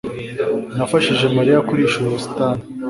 Nafashije mariya kurisha ubusitani